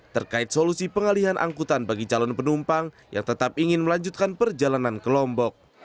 terkait solusi pengalihan angkutan bagi calon penumpang yang tetap ingin melanjutkan perjalanan ke lombok